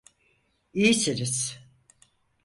İyisiniz.